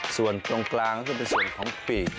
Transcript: ส่วนตรงกลางนั่นก็เป็นส่วนของปีก